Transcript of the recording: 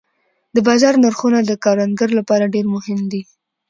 د بازار نرخونه د کروندګر لپاره ډېر مهم دي.